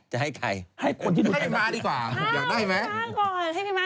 ให้พี่ม้าดีกว่าอยากได้ไหม